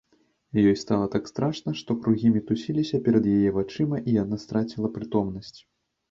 Ёй стала так страшна, што кругі мітусіліся перад яе вачыма, і яна страціла прытомнасць.